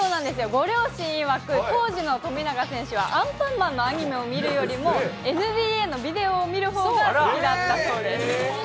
ご両親いわく、当時の富永選手は、アンパンマンのアニメを見るよりも、ＮＢＡのビデオを見るほうが好きだったそうです。